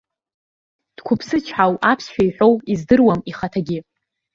Дқәыԥсычҳау аԥсшәа иҳәоу издыруам ихаҭагьы.